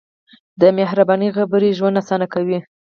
د مهربانۍ خبرې ژوند اسانه کوي.